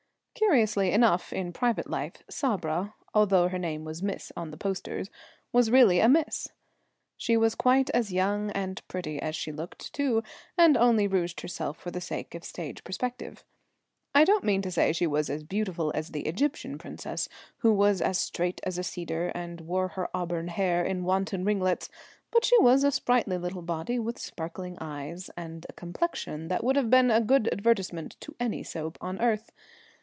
Curiously enough, in private life, Sabra, although her name was Miss on the posters, was really a Miss. She was quite as young and pretty as she looked, too, and only rouged herself for the sake of stage perspective. I don't mean to say she was as beautiful as the Egyptian princess, who was as straight as a cedar and wore her auburn hair in wanton ringlets, but she was a sprightly little body with sparkling eyes and a complexion that would have been a good advertisement to any soap on earth.